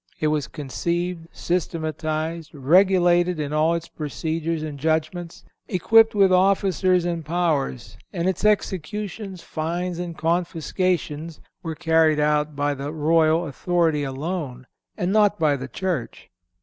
It was conceived, systematized, regulated in all its procedures and judgments, equipped with officers and powers, and its executions, fines and confiscations were carried out by the royal authority alone, and not by the Church.